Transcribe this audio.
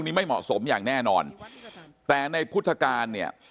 ไม่เหมาะสมอย่างแน่นอนแต่ในพุทธการเนี่ย